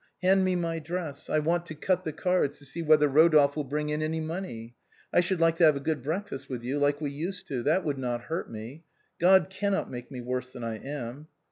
Hand me my dress, I want to cut the cards to see whether Eodolphe will bring in any money, I should like to have a good breakfast with you, like we used to ; that would not hurt me. God cannot make me worse than I am.